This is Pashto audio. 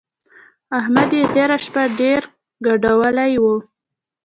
احمد يې تېره شپه ډېر ګډولی وو.